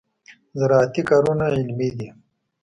زراعتي کارونه علمي دي.